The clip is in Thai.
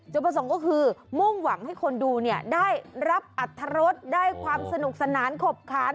จุดประสงค์ก็คือมุ่งหวังให้คนดูเนี่ยได้รับอรรถรสได้ความสนุกสนานขบขัน